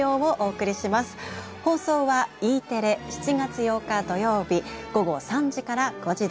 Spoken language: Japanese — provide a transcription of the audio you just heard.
放送はＥテレ７月８日土曜日午後３時から５時です。